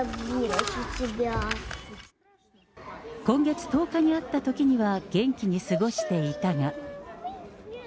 今月１０日に会ったときには元気に過ごしていたが。